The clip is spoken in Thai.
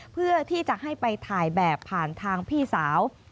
เพื่อที่จะให้ไปถ่ายแบบผ่านทางพี่สาว